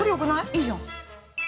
◆いいじゃん。